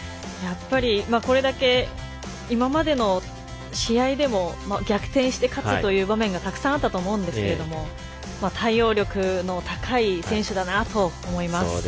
これだけ今までの試合でも逆転して勝つという場面がたくさんあったと思うんですけど対応力の高い選手だなと思います。